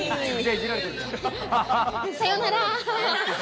さようなら！